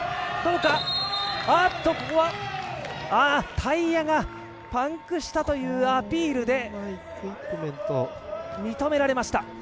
タイヤがパンクしたというアピールが認められました。